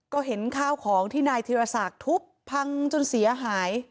ก็เห็นข้าวของที่นายธีรศักดิ์ทุบพังจนเสียหาย